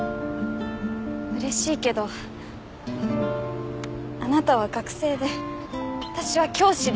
うれしいけどあなたは学生で私は教師で。